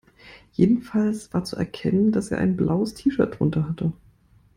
Jedenfalls war zu erkennen, dass er ein blaues T-Shirt drunter hatte.